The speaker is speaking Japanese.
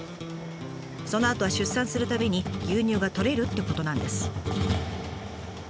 そのあとは出産するたびに牛乳がとれるってことなんです。